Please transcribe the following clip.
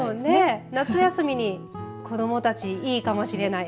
夏休みに子どもたちいいかもしれない。